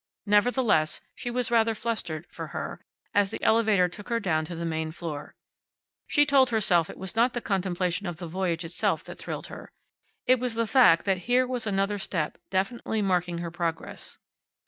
Nevertheless, she was rather flustered, for her, as the elevator took her down to the main floor. She told herself it was not the contemplation of the voyage itself that thrilled her. It was the fact that here was another step definitely marking her progress.